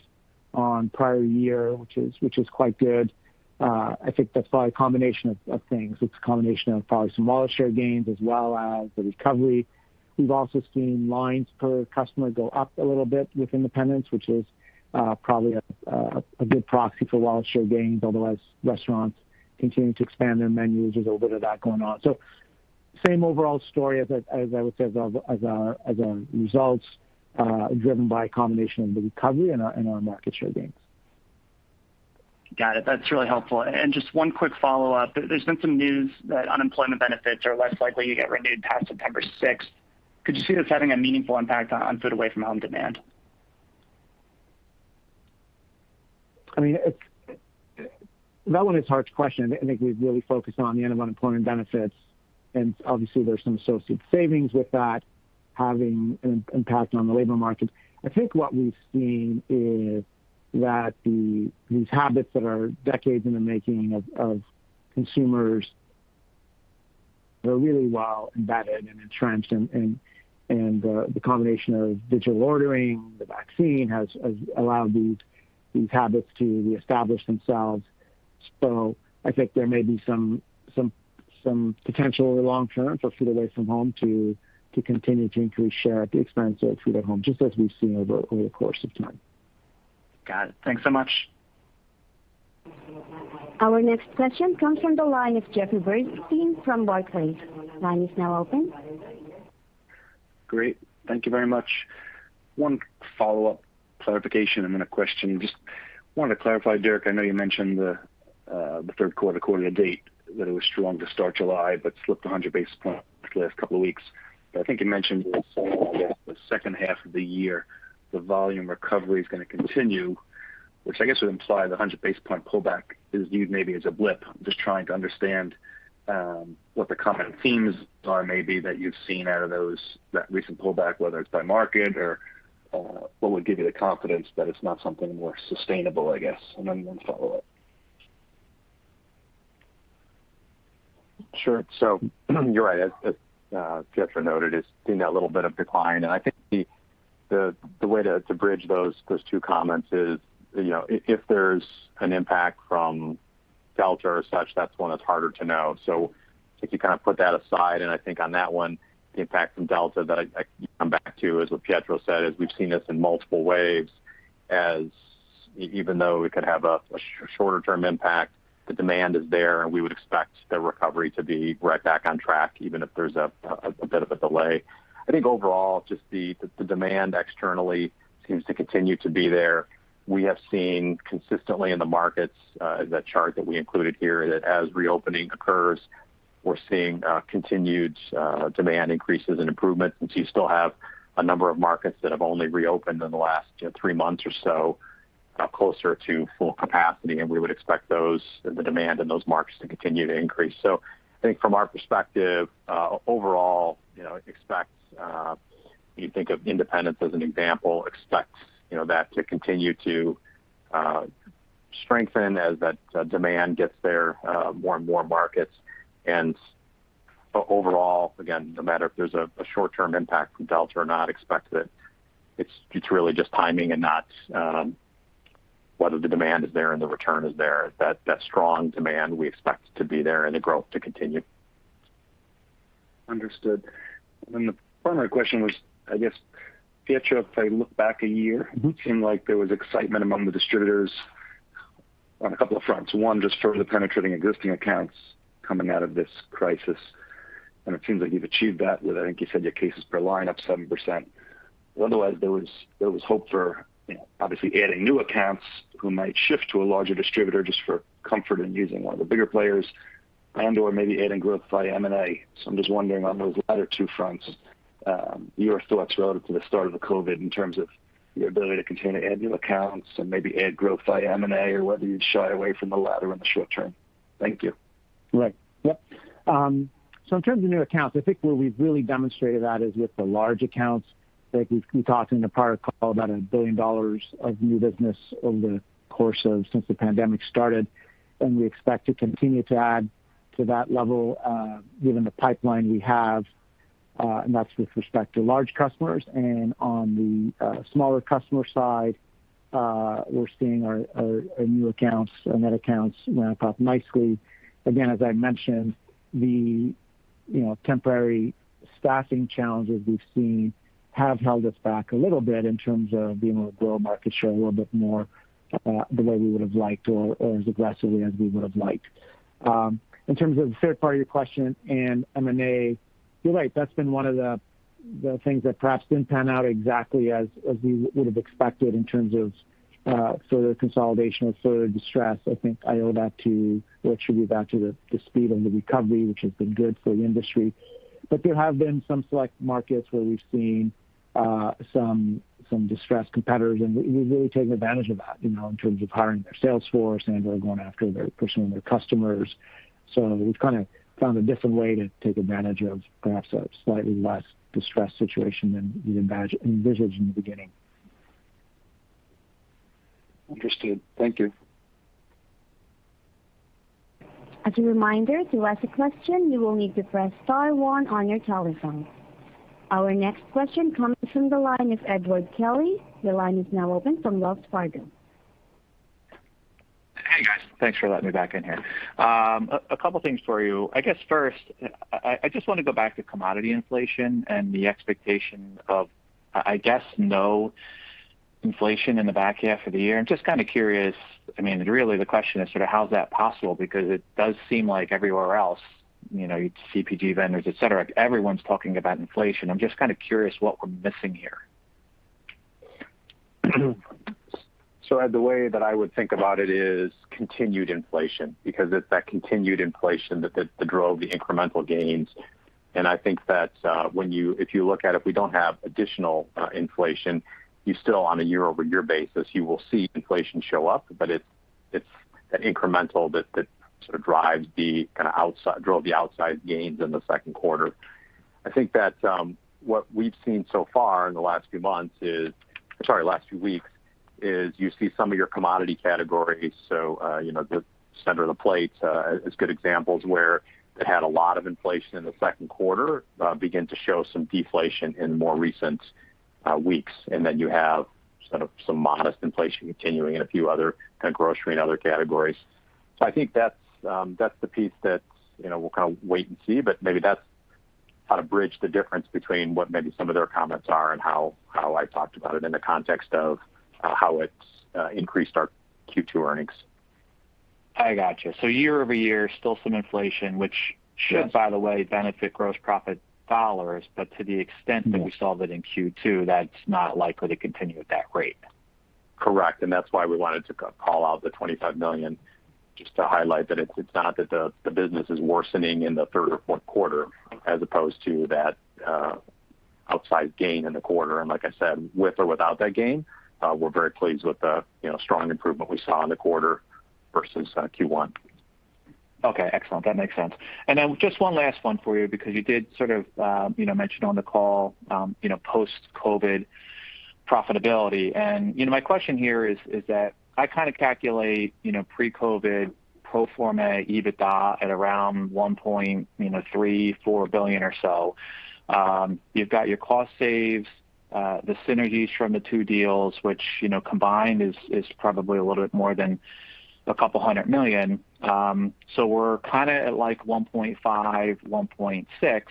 on prior year, which is quite good. I think that's probably a combination of things. It's a combination of probably some wallet share gains as well as the recovery. We've also seen lines per customer go up a little bit with independents, which is probably a good proxy for wallet share gains. Otherwise, restaurants continue to expand their menus. There's a little bit of that going on. Same overall story as I would say of our results driven by a combination of the recovery and our market share gains. Got it. That's really helpful. Just one quick follow-up. There's been some news that unemployment benefits are less likely to get renewed past September 6th. Could you see this having a meaningful impact on food-away-from-home demand? That one is a hard question. I think we've really focused on the end of unemployment benefits, and obviously there's some associated savings with that, having an impact on the labor market. I think what we've seen is that these habits that are decades in the making of consumers are really well embedded and entrenched, and the combination of digital ordering, the vaccine, has allowed these habits to reestablish themselves. I think there may be some potential over the long term for food-away-from-home to continue to increase share at the expense of food-at-home, just as we've seen over the course of time. Got it. Thanks so much. Our next question comes from the line of Jeffrey Bernstein from Barclays. Line is now open. Great. Thank you very much. One follow-up clarification and then a question. Just wanted to clarify, Dirk, I know you mentioned the third quarter call year-to-date, that it was strong to start July, but slipped 100 basis points the last couple of weeks. I think you mentioned as well that the second half of the year, the volume recovery is going to continue, which I guess would imply the 100 basis point pullback is viewed maybe as a blip. I'm just trying to understand what the common themes are maybe that you've seen out of that recent pullback, whether it's by market or what would give you the confidence that it's not something more sustainable, I guess. Then one follow-up. Sure. You're right. As Pietro noted, it's seen that little bit of decline. I think the way to bridge those two comments is, if there's an impact from Delta or such, that's one that's harder to know. I think you kind of put that aside, and I think on that one, the impact from Delta that I come back to, as what Pietro said, is we've seen this in multiple waves as even though it could have a shorter-term impact, the demand is there, and we would expect the recovery to be right back on track, even if there's a bit of a delay. I think overall, just the demand externally seems to continue to be there. We have seen consistently in the markets, that chart that we included here, that as reopening occurs, we're seeing continued demand increases and improvements. You still have a number of markets that have only reopened in the last three months or so, closer to full capacity, and we would expect the demand in those markets to continue to increase. I think from our perspective, overall, expect, when you think of independents as an example, expect that to continue to strengthen as that demand gets there, more and more markets. Overall, again, no matter if there's a short-term impact from Delta or not, expect that it's really just timing and not whether the demand is there and the return is there. That strong demand we expect to be there and the growth to continue. Understood. The primary question was, I guess, Pietro, if I look back a year, it seemed like there was excitement among the distributors on a couple of fronts. One, just further penetrating existing accounts coming out of this crisis, and it seems like you've achieved that with, I think you said your cases per line up 7%. Otherwise, there was hope for obviously adding new accounts who might shift to a larger distributor just for comfort in using one of the bigger players and/or maybe adding growth via M&A. I'm just wondering on those latter two fronts, your thoughts relative to the start of the COVID in terms of your ability to continue to add new accounts and maybe add growth via M&A, or whether you'd shy away from the latter in the short term. Thank you. Right. Yep. In terms of new accounts, I think where we've really demonstrated that is with the large accounts. I think we've been talking in a prior call about $1 billion of new business over the course of since the pandemic started. We expect to continue to add to that level given the pipeline we have. That's with respect to large customers. On the smaller customer side, we're seeing our new accounts and net accounts ramp up nicely. Again, as I mentioned, the temporary staffing challenges we've seen have held us back a little bit in terms of being able to grow market share a little bit more, the way we would have liked or as aggressively as we would have liked. In terms of the third part of your question and M&A, you're right. That's been one of the things that perhaps didn't pan out exactly as we would have expected in terms of consolidation or further distress. I think I owe that to, or attribute that to the speed of the recovery, which has been good for the industry. There have been some select markets where we've seen some distressed competitors, and we've really taken advantage of that, in terms of hiring their sales force and/or going after pursuing their customers. We've kind of found a different way to take advantage of perhaps a slightly less distressed situation than we'd envisaged in the beginning. Understood. Thank you. Our next question comes from the line of Edward Kelly. The line is now open from Wells Fargo. Hey, guys. Thanks for letting me back in here. A couple things for you. I guess first, I just want to go back to commodity inflation and the expectation of, I guess no inflation in the back half of the year. I'm just kind of curious, really the question is sort of how is that possible? Because it does seem like everywhere else, CPG vendors, et cetera, everyone's talking about inflation. I'm just kind of curious what we're missing here. Ed, the way that I would think about it is continued inflation, because it's that continued inflation that drove the incremental gains. I think that if you look at it, we don't have additional inflation. You still, on a year-over-year basis, you will see inflation show up, but it's that incremental that sort of drives the kind of outside, drove the outside gains in the second quarter. I think that what we've seen so far in the last few months, last few weeks, is you see some of your commodity categories, so the center of the plate is good examples where it had a lot of inflation in the second quarter, begin to show some deflation in more recent weeks. You have sort of some modest inflation continuing in a few other kind of grocery and other categories. I think that's the piece that we'll kind of wait and see, but maybe that's how to bridge the difference between what maybe some of their comments are and how I talked about it in the context of how it's increased our Q2 earnings. I got you. Year-over-year, still some inflation, which should- Yes.... by the way, benefit gross profit dollars, but to the extent that we saw that in Q2, that's not likely to continue at that rate. Correct. That's why we wanted to call out the $25 million just to highlight that it's not that the business is worsening in the third or fourth quarter as opposed to that outside gain in the quarter. Like I said, with or without that gain, we're very pleased with the strong improvement we saw in the quarter versus Q1. Okay. Excellent. That makes sense. Just one last one for you, because you did sort of mention on the call, post-COVID profitability. My question here is that I kind of calculate pre-COVID pro forma EBITDA at around $1.34 billion or so. You've got your cost saves, the synergies from the two deals, which combined is probably a little bit more than a couple hundred million. We're kind of at like $1.5 billion-$1.6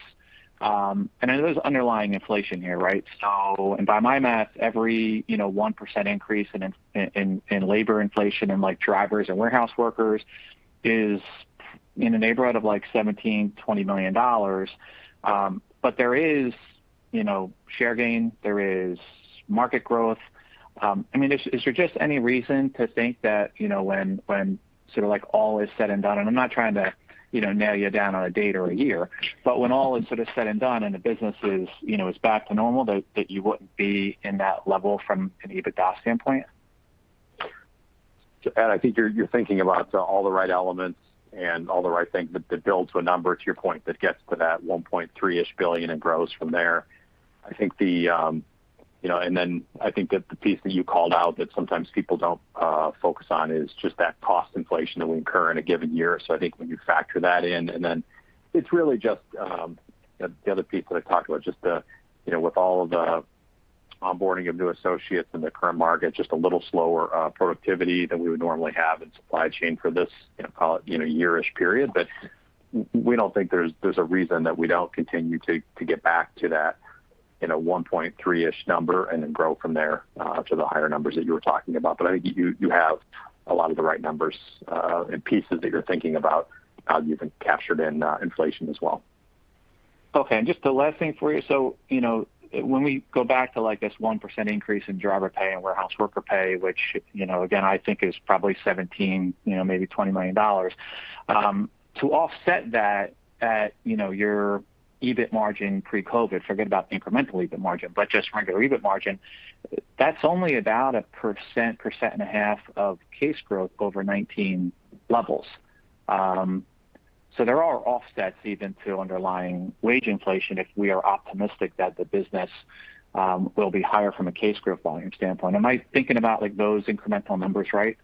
billion. There's underlying inflation here, right? By my math, every 1% increase in labor inflation in drivers and warehouse workers is in the neighborhood of like $17 million-$20 million. There is share gain, there is market growth. Is there just any reason to think that when sort of all is said and done, and I'm not trying to nail you down on a date or a year, but when all is sort of said and done and the business is back to normal, that you wouldn't be in that level from an EBITDA standpoint? Ed, I think you're thinking about all the right elements and all the right things that build to a number, to your point, that gets to that $1.3-ish billion and grows from there. I think that the piece that you called out that sometimes people don't focus on is just that cost inflation that we incur in a given year. I think when you factor that in, and then it's really just the other piece that I talked about, just with all of the onboarding of new associates in the current market, just a little slower productivity than we would normally have in supply chain for this year-ish period. We don't think there's a reason that we don't continue to get back to that $1.3-ish billion number and then grow from there to the higher numbers that you were talking about. I think you have a lot of the right numbers and pieces that you're thinking about how you can capture it in inflation as well. Just the last thing for you. When we go back to this 1% increase in driver pay and warehouse worker pay, which again, I think is probably $17 million, maybe $20 million. To offset that at your EBIT margin pre-COVID, forget about incremental EBIT margin, but just regular EBIT margin, that's only about a 1%-1.5% of case growth over 2019 levels. There are offsets even to underlying wage inflation if we are optimistic that the business will be higher from a case growth volume standpoint. Am I thinking about those incremental numbers right?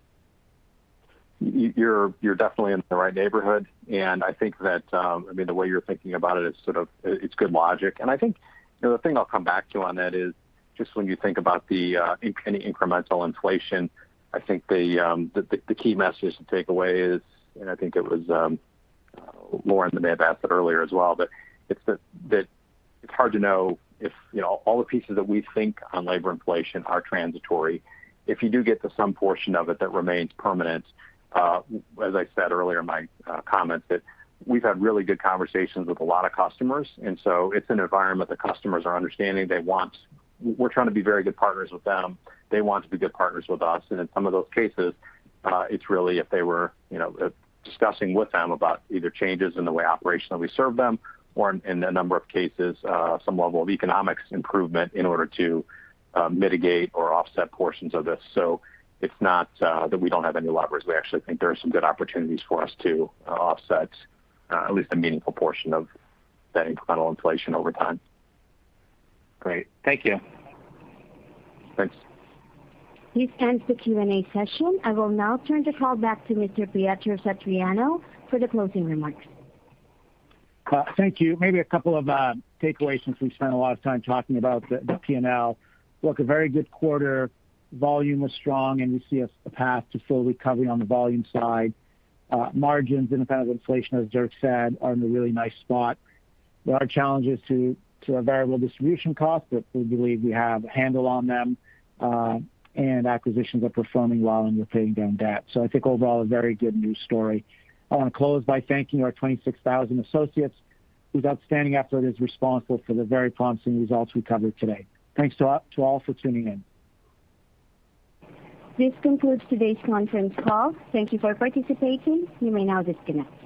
You're definitely in the right neighborhood. I think that the way you're thinking about it's good logic. I think the thing I'll come back to on that is just when you think about any incremental inflation, I think the key message to take away is, I think it was Lauren that may have asked it earlier as well, it's that it's hard to know if all the pieces that we think on labor inflation are transitory. If you do get to some portion of it that remains permanent, as I said earlier in my comments, that we've had really good conversations with a lot of customers, it's an environment the customers are understanding. We're trying to be very good partners with them. They want to be good partners with us. In some of those cases, it's really if they were discussing with them about either changes in the way operationally we serve them or in a number of cases, some level of economics improvement in order to mitigate or offset portions of this. It's not that we don't have any levers. We actually think there are some good opportunities for us to offset at least a meaningful portion of that incremental inflation over time. Great. Thank you. Thanks. This ends the Q&A session. I will now turn the call back to Mr. Pietro Satriano for the closing remarks. Thank you. Maybe a couple of takeaways since we spent a lot of time talking about the P&L. Look, a very good quarter. Volume was strong. We see a path to full recovery on the volume side. Margins, independent of inflation, as Dirk said, are in a really nice spot. There are challenges to our variable distribution costs. We believe we have a handle on them. Acquisitions are performing well, and we're paying down debt. I think overall, a very good news story. I want to close by thanking our 26,000 associates whose outstanding effort is responsible for the very promising results we covered today. Thanks to all for tuning in. This concludes today's conference call. Thank you for participating. You may now disconnect.